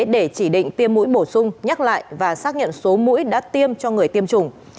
để chỉ định tiêm mũi bổ sung nhắc lại và xác nhận số mũi đã tiêm cho người tiêm chủng